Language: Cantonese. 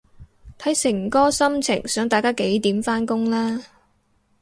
睇誠哥心情想大家幾點返工啦